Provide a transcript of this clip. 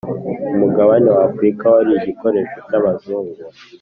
Umugabane w’afurika wari igikoresho cy’abazungu